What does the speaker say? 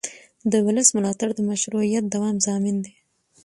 د ولس ملاتړ د مشروعیت دوام ضامن دی